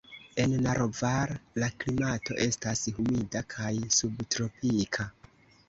En Naroval la klimato estas humida kaj subtropika.